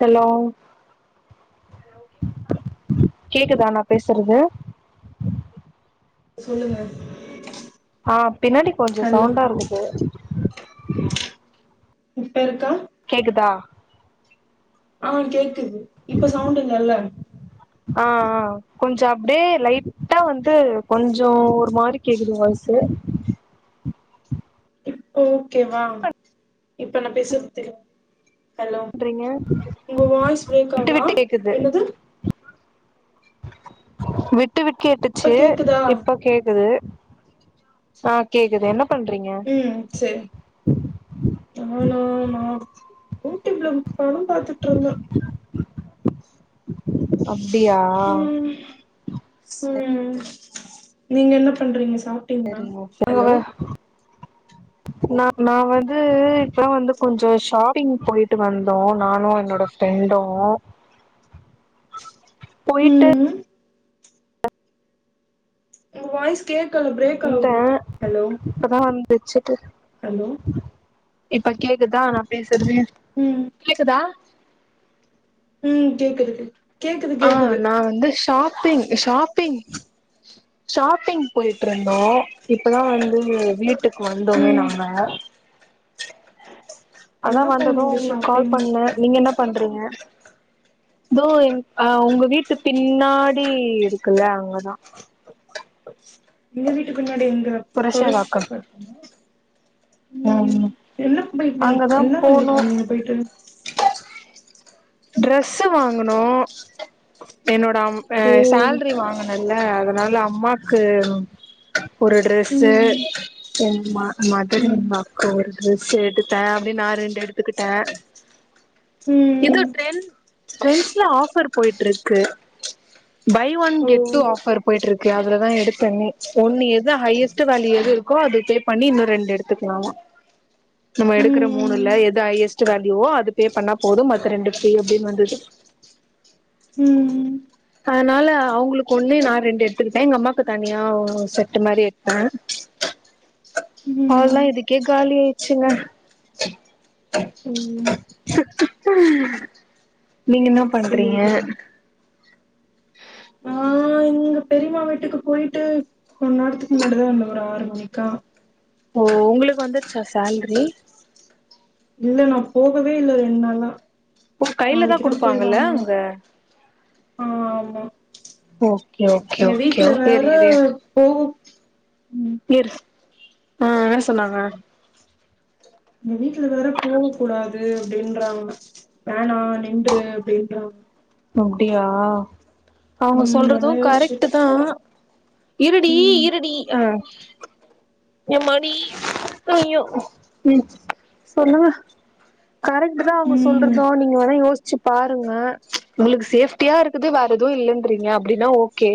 hello hello கேக்குதா கேக்குதா நா பேசுறது சொல்லுங்க ஆ பின்னாடி கொஞ்ச ஹலோ சவுண்டா இருக்குது இப்ப இருக்கா கேக்குதா ஆ கேக்குது இப்ப சவுண்டு நல்லாருக் ஆ ஆ கொஞ்சோ அப்டியே லைட்டா வந்து கொஞ்சோ ஒரு மாரி கேக்குது வாய்ஸ்சு இப்ப ஓகேவா இப்ப நா பேசுறது தெளிவா ஹலோ பண்றீங்க உங்க வாய்ஸ் பிரேக் ஆவுது ஆ என்னது விட் டு இப்ப கேட்டுச்சு கேக்குதா இப்ப கேக்குது ஆ கேக்குது என்ன பண்றீங்க ம் சேரி நானா நா யூடியூப்ல படோ பாத்துட்டு இருந்த அப்டியா ம் சரி ம் நீங்க என்ன பண்றீங்க சாப் சரி ஓகே நா நா வந்து இப்பதா வந்து கொஞ்சோ ஷாப்பிங் போயிட்டு வந்தோ நானு என்னோட ஃப்ரெண்ட்டு போயிட்டு ம் உங்க வாய்ஸ் கேக்கல பிரேக் வந்த ஆகுது ஹலோ இப்பதா வந்து வச்சுட்டு ஹலோ இப்ப கேக்குதா நா பேசுறது ம் கேக்குதா ம் கேக்குது கே கேக்குது ஆ கேக்குது நா வந்து ஷாப்பிங் ஷாப்பிங் ஷாப்பிங் போயிட்டு இருந்தோ இப்பதா வந்து வீட்டுக்கு வந்தோமே ம் நாங்க அதா எங்க வந்ததும் போனீங்க உங்களுக்கு கால் ஷாப்பிங் பண்ண நீங்க என்ன பண்றீங்க தோ எங் அ உங்க வீட்டு பின்னாடி இருக்குல்ல அங்கதா எங்க வீட்டு பின்னாடி இருந்தா பொருஸ் புரஷவாக்கம் தரட்டுமா ம் என்ன போய்ட்டு அங்கதா என்ன போனோ வாங்கிட்டு வந்தீங்க போயிட்டு டிரஸ்ஸு வாங்குணு என்னோட அம் ஆ ஓ சேல்ரி வாங்கனல அதனால அம்மாக்கு ஒரு டிரஸ்ஸு ம் [inaudible] ம் அம்மாக்கு ஒரு ட்ரெஸ்ஸு எடுத்தே அப்டியே நா ரெண்டு எடுத்துக்கிட்டே ம் ம் ட்ரெண் ட்ரெண்ட்ஸ்ல ஆஃபர் போய்ட்ருக்கு பை ஒன் ஓ கெட் டூ ஆஃபர் போயிட்ருக்கு அதுலதா எடுத்தே ஒன்னு ஏது ஹையஸ்டு வேயூ எது இருக் கோ அது பே பண்ணி இன்னோ ரெண்டு எடுத்துக்கலமா நம்ம எடுக்கற மூணுல ம் எது ஐய்யஸ்ட் வேல்யூவோ அது பே பண்ணா போது மத்த ரெண்டு ஃப்ரி அப்டின் வந்தது ம் ம் அதனால அவுங்களுக்கு ஒன்னு நா ரெண்டு எடுத்துக்கிட்டே எங்க அம்மாக்கு தனியா ஓ செட்டு மாரி எடுத்தே அதல்லா ம் இதுக்கே காலி ஆயிடுச்சுங்க ம் நீங்க என்னா பண்றீங்க சேரி ஆ எங்க பெரியமா வீட்டுக்கு போயிட்டு கொஞ்ச நேரத்துக்கு முன்னாடிதா ஒரு ஆறு மணிக்கா ஓ உங்களுக்கு வந்துருச்சா சேல்ரி இல்ல நா போகவே இல்ல ரெண் நாளா உன் கையில தா நாளைக்குதா போய் குடுப்பாங்கல்ல வாங்கணு அங்க ஆமா ஓகே ஓகே எங்க ஓகே வீட்ல வேற [unintelligible] [unintelligible] ம் [unintelligible] ஆ என் சொன்னாங்க எங்க வீட்டுல வர வர போக கூடாது அப்டின்றாங்க வேணா நின்று அப்டின்றாங்க அப்டியா அவுங்க ம் சொல்றது அதா கரெக்ட் யோசிச்சுட்டு தா இருடி ம் இருடி ஆ எம்மாடி ஐயோ ம் சொல்லுங்க கரெக்ட் தா அவுங்க ம் சொல்றது நீங்க வேணா யோசி சிப் பாருங்க உங்களுக்கு சேஃப்ட்டியா இருக்குது வேற எதுவு இல்லன்றீங்க அப்டின்னா ஓகே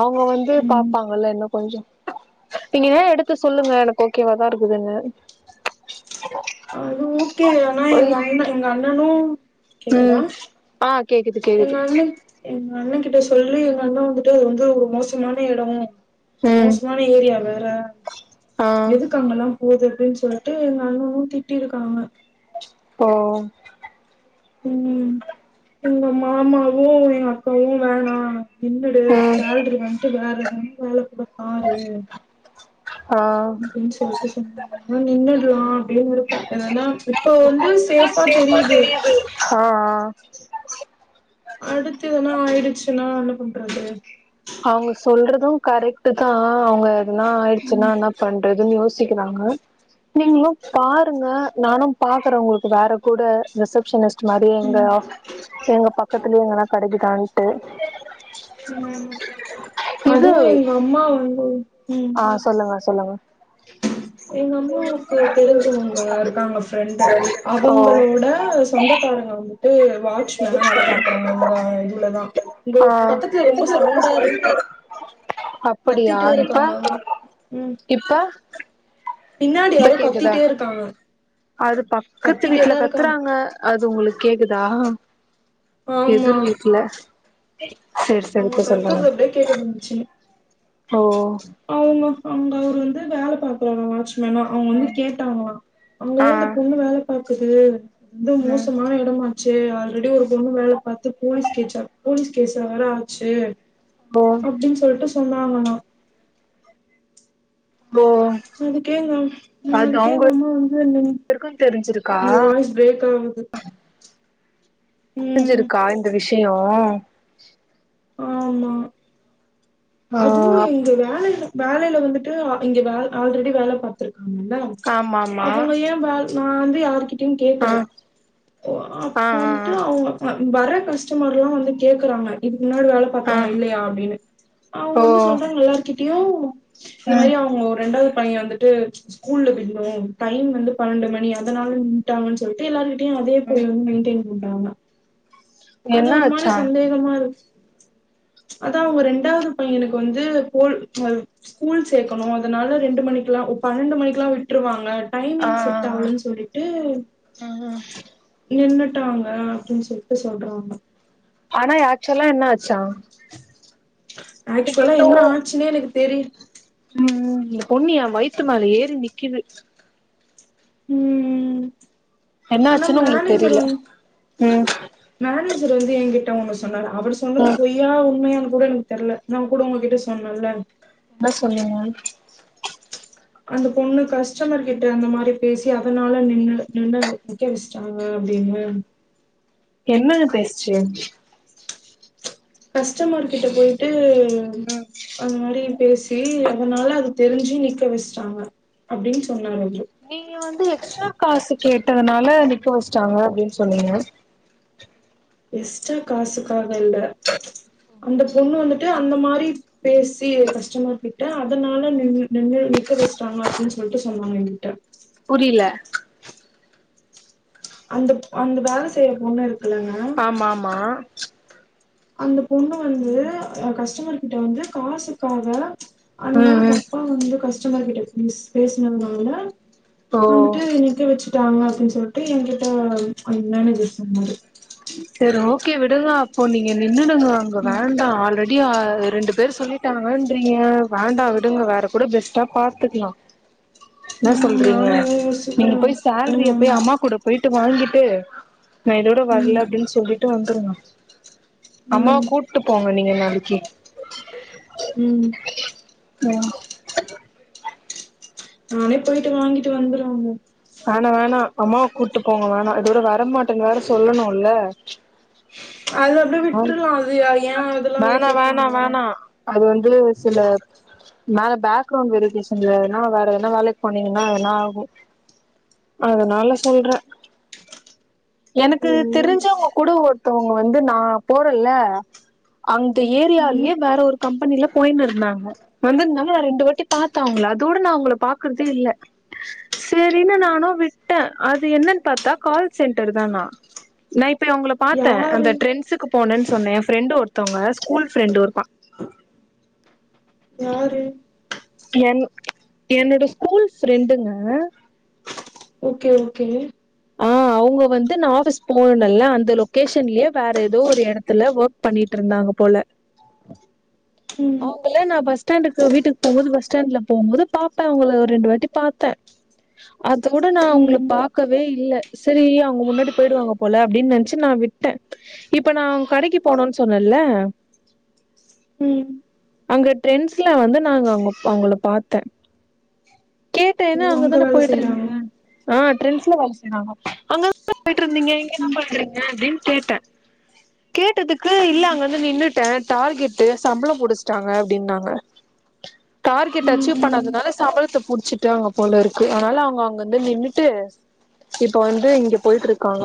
அவுங்க வந்து ம் பாப்பாங்கல்ல இன்னோ கொஞ்சோ நீங்களே எடுத்து சொல்லுங்க எனக்கு ஓகேவாதா இருக்குதுன்னு அது ஓகே ஆனா எங்க அண்ண எங்க அண்ணனும் கேக்குதா ம் ஆ கேக்குது எங்க கேக்குது அண்ண எங்க அண்ண கிட்ட சொல்லி எங்க அண்ண வந்துட்டு அது வந்து ஒரு மோசமான எடம் ம் மோசமான ஏரியா வேற ஆ எதுக்காங்கலா போகுதுன் சொல்ட்டு எங்க அண்ணனு திட்டிருக்காங்க ஓ ம் எங்க மாமாவு எங்க அக்காவு வேணா நின்னுடு ம் சேல்ரி வாங்கிட்டு வேற எதானா வேல கூட பாரு ஆ அப்டின் சொல்ட்டு சொன்னாங்க [inaudible] நின்னுற்லா அப்டியு இருக்க ஏன்னா இப்ப வந்து சேஃபா தெரியுது ஆ ஆ அடுத்து இதனா ஆயிடுச்சுன்னா என்ன பண்றது அவுங்க சொல்றது கரெக்ட் தா அவுங்க எதுனா ஆயிடுச்சுன்னா என்னப் பண்றதுன்னு யோசிக்கிறாங்க நீங்களு பாருங்க நானு பாக்குறே உங்களுக்கு வேற கூட ரிசப்ஷனிஸ்ட் மாரி எங்க ஆஃ எங்க பக்கத்துலயே எங்கென்ன கடைக்குதான்ட்டு இது அதுவு எங்க அம்மா வந்து ம் ஆ சொல்லுங்க சொல்லுங்க எங்க அம்மாவுக்கு தெரிஞ்சவங்க இருக்காங்க ஃப்ரெண்டு ஓ அவுங்களோட சொந்தக்காரங்க வந்துட்டு வாட்சமேனா வேல பாக்குறாங்க இங்க இதுவுலதா ங்க ஆ பக்கத்து அப்படியா கத்திட்டே இப்ப இருக்காங்க ம் இப்ப பின்னாடி இப்ப யாரோ கேக்குதா கத்திட்டே இருக்காங்க அது பக்கத்து கத்திட்டே வீட்ல தா இருக்காங்க கத்துறாங்க அது உங்களுக் கேக்குதா ஆமா எதிர் வீட்டுல செரி செரி அவங்க இப்ப சொல்லுங்க கத்துறது அப்டியே கேக்க ஓ அவுங்க அவுங்க அவுரு வந்து வேல பாக்குறாங்க வாட்சி மேனா அவுங்க வந்து கேட்டாங்ளா அவுங்க ஆ ஏன் அந்த பொண்ணு வேல பாக்குது இது ம் மோசமான எடமா சேரி ஆல்ரெடி ஒரு பொண்ணு வேல பாத்து போலீஸ் கேச்சு போலீஸ் கேஸா வேற ஆச்சு ஓ அப்டின் சொல்ட்டு சொன்னாங்களா ஓ அதுக்கே நா அதுக்கே எங்க அம்மா வந்து என்ன அவருக்கூ தெரிஞ்சிருக்கு உங்க வாய்ஸ் பிரேக் ஆகுது ம் புரிஞ்சிருக்கா இந்த விஷயொ ஆமா ஆ அது து எங்க வேலையில வேலையில வந்துட்டு இங்க வே ஆல்ரெடி வேல பாத்துருக்காங்கல்ல ஆமா ஆமா அவுங்க ஏன் வே நா வந்து யாருகிட்டயு கேக்கல ஆ ஆ அப்ப வந்துட்டு அவுங்க வர கஸ்டமர் எல்லா வந்து கேக்குறாங்க இதுக்கு முன்னாடி வேல ஆ ஆ பாத்தவுங்க இல்லையா அப்டின்னு அவுங்க ஓ வந்து சொல்றாங்க எல்லார்கிட்டயு இந்த ம் மாரி அவுங்க ஒரு ரெண்டாவது பையன் வந்துட்டு ஸ்கூல்ல விட்ணு டைம் வந்து பன்னெண்டு மணி அதனால நின்டாங்கன் சொல்லிட்டு எல்லாருகிட்டயு அதே போய் வந்து மெயின்டெயன் பண்றாங்க அது என்ன ஒரு மாரி ஆச்சா சந்தேகமா இருக்கு அதா அவுங்க ரெண்டாவ்து பையனுக்கு வந்து போல் ஸ்கூல் சேக்கணு அதனால ரெண்டு மணிக்ல்லா பன்னெண்டு மணிக்ல்லாவிட்டுருவாங்க ஆ டைமிங் செட் ஆவுலன் சொல்லிட்டு ஆ ம் ம் நின் டாங்க அப்டின் சொல்லிட்டு சொல்றாங்க ஆனா ஆக்சுவலா என்ன ஆச்சா ஆக்சுவலா அய்யய்யோ என்னா ஆச்சுன்னே எனக்கு தெரியில ம் இந்த பொண்ணு வயித்து மேல ஏறி நிக்கிது ம் என்ன ஆனா ஆச்சுன்னு உங்களுக்கு மேனேஜர் தெரில வந் ம் மேனேஜர் வந்து என்கிட்ட ஒண்ணு சொன்னாரு அவரு சொன்னது ம் பொய் யா உண்மையான்னு கூட எனக்கு தெர்ல நா கூட உங்ககிட்ட சொன்னல ப சொன்னீங்க அந்த பொண்ணு கஸ்டமர் கிட்ட அந்த மாரி பேசி அதனால நின் நின்ன நிக்கவச்டாங்க அப்டின்னு என்னது பேசுச்சு கஷ்டமர் கிட்ட போயிட்டு ம் அது மாரி பேசி அதனால அது தெரிஞ்சு நிக்க வச்ட்டாங்க அப்டின் சொன்னாரு அவுரு நீங்க வந்து எக்ஸ்ட்ரா காசு கேட்டதனால நிக்க வச்ட்டாங்க அப்டின் சொன்னீங்க எஸ்டா காசுக்காக இல்ல அந்த பொண்ணு வந்துட்டு அந்த மாரி பேசி கஷ்டமர் கிட்ட அதனால நின் நின்னு நிக்க வச்டாங்க அப்டின் சொல்ட்டு சொன்னாங்க என்கிட்ட புரியில அந்த அந்த வேல செய்ற பொண்ணு இருக்குலங்க ஆமமா அந்த பொண்ணு வந்து கஸ்டமர் கிட்ட வந்து காசுக்காக அந்த ம் மாரி ம் தப்பா வந்து கஸ்டமர் கிட்ட பேசுனதுனால ஓ வந்துட்டு நிக்க வச்சுட்டாங்க அப்டின் சொல்ட்டு என் கிட்ட மேனேஜர் சொன்னாரு சரி ஓகே விடுங்க அப்போ நீங்க நின்னுடுங்க அங்க ம் வேண்டா ஆல்ரெடி அப்டியா ரெண்டு பேர் சொல்லிட்டாங்கன்றீங்க வேண்டா விடுங்க வேற கூட பெஸ்ட்டா பாத்துக்லா என்ன ம் சொல்றீங்க நானு அதா நீங்க யோசிக்கிறே போய் அதா சால்ரிய நானு போய் அம்மா கூட போய்ட்டு வாங்கிட்டு நா இதோட ம் வர்ல அப்டின்னு சொல்லிட்டு வந்துருங்க அம்மாவ ம் கூட்டு போங்க நீங்க நாளைக்கு ம் ம் நானே போயிட்டு வாங்கிட்டு வந்துருவேங்க வேணா வேணா அம்மாவ கூட்டு போங்க வேணா இதோட வரமாட்டேன் வேற சொல்லணுல்ல அது அப்டியே விட்ருலா அது ஏ அதுலா வேற வேணா வேணா கேப்பாங்களா வேணா அது வந்து சில மேல பேக்ரவுண்ட் வெரிபிகேஷன்லனா வேறதெனா வேலைக்கு போனீங்கன்னா எதனா ஆகும் அதுனால சொல்றே எனக்கு ஐயோ தெரிஞ்ச ஒ குட ஒருத்தவங்க வந்து நான போறேல்ல அந்த ஏரியாலயே ம் வேற ஒரு கம்பெனில போய்னு இருந்தாங்க வந்திருந்தாங்க ரெண்டு வாட்டி பாத்தே அவங்கள அதோட நா அவங்கள பாக்குறதே இல்ல சரினு நானு விட்டே அது என்னன்னு பாத்தா கால் சென்டர் தானா நா இப்போ அவங்கள பாத்தே யாரு அந்த டரண்ட்ஸீக்கு போனென் சொன்னே என் ஃப்ரெண்ட ஒருத்தவங்க ஸ்கூல் ஃப்ரெண்டு் ஒருப்பா யாரு என் என்னோட ஸ்கூல் ப்ரண்டுங்க ஓகே ஓகே அவுங்க வந்து நா ஆஃபிஸ் போனெல்ல அந்த லொகேஷன்லயே வேற எதோ ஒரு எடத்துல ஒக் பண்ணிட்டு இருந்தாங்க போல ம் ல்ல நா பஸ்டாண்டுக்கு வீட்டுக்கு போக போது பஸ் ஸ்டாண்ட்ல போகபோது பாப்பே அவங்கள ஒரு ரெண்டு வாட்டி பாத்தே அதோட நா அவுங்கள ம் பாக்க வே இல்ல சரி அவங்க முன்னாடி போயிடுவாங்க போல அப்டின் நெனைச்சு நா விட்டே இப்ப நா கடைக்கு போனும்னு சொன்னேல்ல ம் அங்க ட்ரெண்ட்ஸ்ல வந்து நா அங்க அவங்கள பாத்தே ஓ கேட்டேன்னா அங்க அங்கதானே வேல போயிட் செய்றாங்க இருந்தீங்க ஆ ட்ரென்ஸ் அங்கதானே போயிட்டு இருந்தீங்க இங்கன்னா பண்றீங்க அப்டின்னு கேட்டே கேட்டதுக்கு இல்ல அங்க வந்து நின்னுட்டே டார்கெட்டு சம்பளம் புடிச்டாங்க அப்டின்னாங்க டார்கெட் ம் அச்சீவ் ம் பண்ணாதுனால சம்பளத்தை புடிச்சிட்டாங்க போல இருக்கு அதனால அவங்க அங்க இருந்து நின்னுட்டு இப்ப வந்து இங்க போயிட்டு இருக்காங்க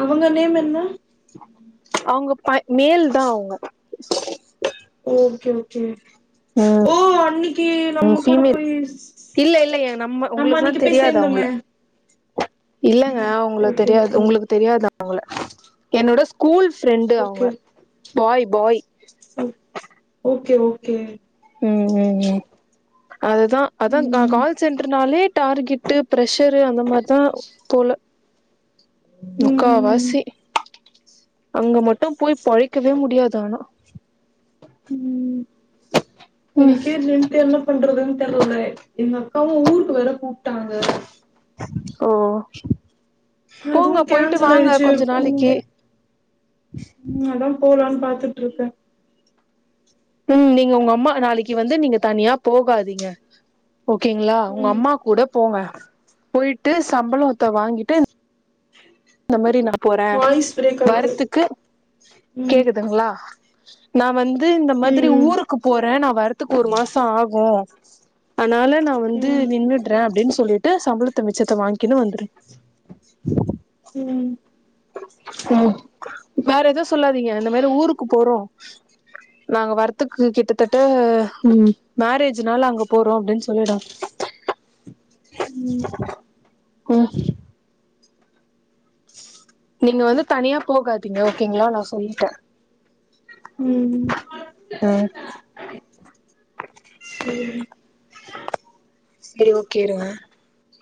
அவங்க நேம் என்ன அவங்க பய் மேல் தா அவங்க ஓகே ஓகே ம் அன்னிக்கு நம்ம கூட ஃபீமேல் போய் இல்ல இல்ல ஏ நம்ம உங்களுக்குலா அன்னைக்கு போய் தெரியாது சேர்ந்தோமே அவுங்கள இல்லங்க உங்களுக் ஓகே தெரியாது ஓகே உங்களுக்கு தெரியாது அவுங்கள என்னோட ஸ்கூல் ஃப்ரெண்டு அவுங்க okay bye bye okay okay ம் ம் ம் அதுதா அதா ம் கால் சென்ட்ர்னாலே டார்கெட்டு பிரஷரு அந்த மாதிதா போல ம் முக்காவாசி அங்க மட்டு போய் பொழைக்கவே முடியாது ஆனா ம் எனக்கே ஜென்யல்லா பண்றதுன் தெர்ல எங்க அக்காவு ஊருக்கு வேற கூப்டாங்க ஓ போங்க அதுவும் போயிட்டு கேன்சல் வாங்க ஆயிடுச்சு கொஞ்ச நாளைக்கு ம் ம் அதா போலான் பாத்துட்ருக்க ம் நீங்க உங்க அம்மா நாளைக்கு வந்து நீங்க தனியா போகாதீங்க ஓகேங்களா உங்க ம் அம்மா கூட போங்க போயிட்டு சம்பளோத்த வாங்கிட்டு இந்த மாரி நா போற வாய்ஸ் பிரேக் ஆகுது வரதுக்கு ம் கேக்குதுங்ளா நா வந்து இந்த மாதிரி ம் ஊருக் கு போறே நா வர்றதுக்கு ஒரு மாச ஆகு அதனால நா வந்து ம் நின்னு ட்ற அப்டின் சொல்லிட்டு சம்பளத்த மிச்சத்த வாங்கினு வந்துரு ம் ம் வேற எதவு சொல்லாதீங்க இந்த மாரி ஊருக்கு போறோ நாங்க வரத்துக்கு கிட்டத்தட்ட ம் மேரேஜ் நால அங்க போறோ அப்டின்னு சொல்லிடு ம் ம் நீங்க வந்து தனியா போகாதீங்க ஓகேங்ளா நா சொல்லிட்ட ம் ம் சேரி செரி ஓகே இருங்க